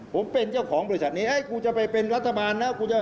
ผมเป็นเจ้าของบริษัทนี้กูจะไปเป็นรัฐบาลนะ